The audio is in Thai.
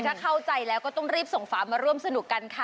ถ้าเข้าใจแล้วก็ต้องรีบส่งฝามาร่วมสนุกกันค่ะ